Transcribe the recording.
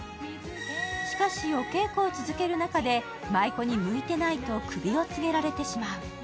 しかし、お稽古を続ける中で舞妓に向いてないとクビを告げられてしまう。